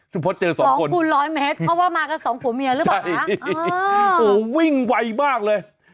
สมมติเจอ๒คนโอ้โหวิ่งวัยมากเลย